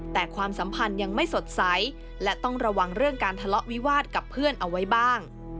แต่ความสัมพันธ์ยังไม่สดใสและต้องระวังเรื่องการทะเลาะวิวาสกับเพื่อนเอาไว้บ้าง